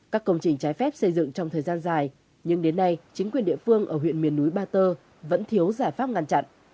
các công trình trái phép xây dựng trong thời gian dài nhưng đến nay chính quyền địa phương ở huyện miền núi ba tơ vẫn thiếu giải pháp ngăn chặn